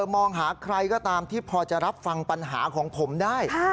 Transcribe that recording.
มองหาใครก็ตามที่พอจะรับฟังปัญหาของผมได้